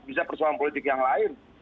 bisa persoalan politik yang lain